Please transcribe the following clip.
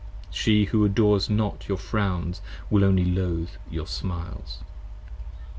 24 She who adores not your frowns will only loathe your smiles. p.